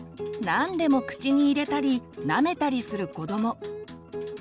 何でも口に入れたりなめたりする子ども。